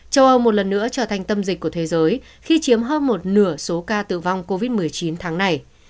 châu âu một lần nữa trở thành tâm dịch của thế giới khi chiếm hơn một nửa số ca tử vong covid một mươi chín tháng này